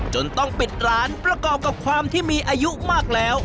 จนต้องปิดร้านประกอบกับความที่มีอายุมากแล้ว